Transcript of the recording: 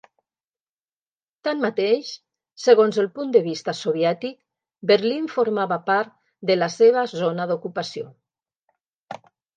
Tanmateix, segons el punt de vista soviètic, Berlín formava part de la seva zona d'ocupació.